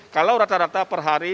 kalau rata rata per hari